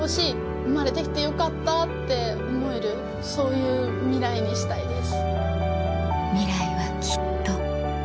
「生まれて来てよかった」って思えるそういう未来にしたいです。